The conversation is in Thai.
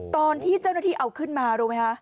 ตอนที่เจ้าหน้าที่เอาขึ้นมารู้ไหมคะ